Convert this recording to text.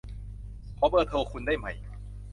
ขอเบอร์โทรคุณได้ไหม